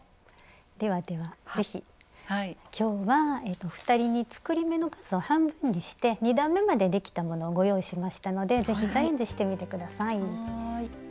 ではでは是非今日はお二人に作り目の数を半分にして２段めまでできたものをご用意しましたので是非チャレンジしてみて下さい。